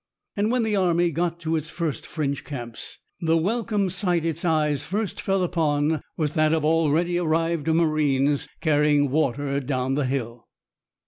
And when the army got to its first French camps, the welcome sight its eyes first fell upon was that of already arrived marines carrying water down the hill.